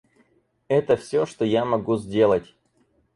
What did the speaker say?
Это всё, что я могу сделать.